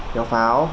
kéo pháo vào đâu nhỉ